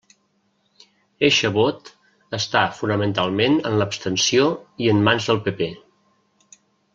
Eixe vot està fonamentalment en l'abstenció i en mans del PP.